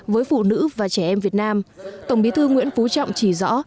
với phụ nữ và trẻ em việt nam tổng bí thư nguyễn phú trọng chỉ rõ